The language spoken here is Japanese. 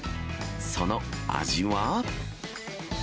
その味は？